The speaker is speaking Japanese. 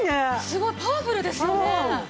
すごいパワフルですよね。